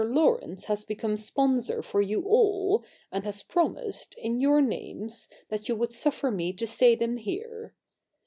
Laurence has become sponsor for you all, and has promised, in your names, that you would suffer me to say them here.